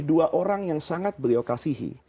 dua orang yang sangat beliau kasihi